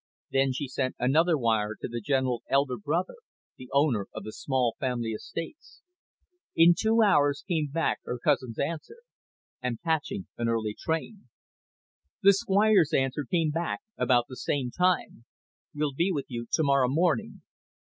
Then she sent another wire to the General's elder brother, the owner of the small family estates. In two hours came back her cousin's answer. "Am catching an early train." The Squire's answer came back about the same time. "Will be with you to morrow morning."